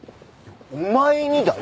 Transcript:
お前にだよ！